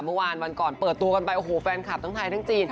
เมื่อวานวันก่อนเปิดตัวกันไปโอ้โหแฟนคลับทั้งไทยทั้งจีน